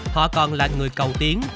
họ còn là người cầu tiến